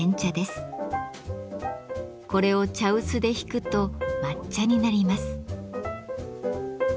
これを茶臼でひくと抹茶になります。